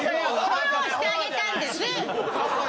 フォローしてあげたんです！